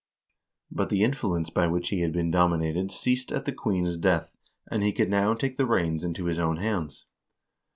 But the influence by which he had been dominated ceased at the queen's death, and he could now take the reins into his own hands.